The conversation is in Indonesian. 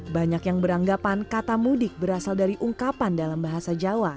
banyak yang beranggapan kata mudik berasal dari ungkapan dalam bahasa jawa